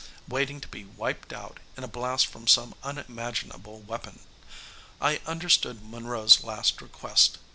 Waiting to be wiped out, in a blast from some unimaginable weapon. I understood Monroe's last request.